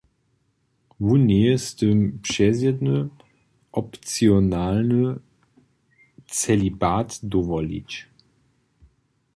Wón njeje z tym přezjedny, opcionalny celibat dowolić.